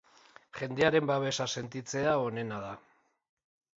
Jendearen babesa sentitzea onena da.